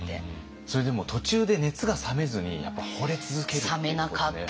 それでも途中で熱が冷めずにやっぱほれ続けるっていうことで。